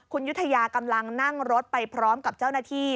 คุณยุธยากำลังนั่งรถไปพร้อมกับเจ้าหน้าที่